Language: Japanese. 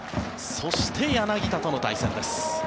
そして柳田との対戦です。